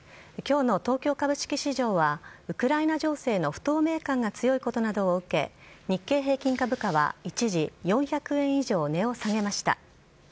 今日の東京株式市場はウクライナ情勢の不透明感が強いことなどを受け日経平均株価は一時４００円以上、値を下げました。